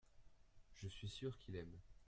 Je suis sûr qu’il aime.